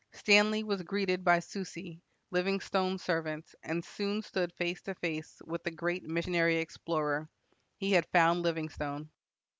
Stanley was greeted by Susi, Livingstone's servant, and soon stood face to face with the great missionary explorer. He had found Livingstone.